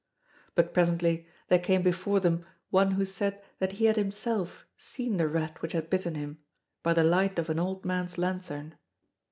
But presently there came before them one who said that he had himself seen the rat which had bitten him, by the light of an old man's lanthorn.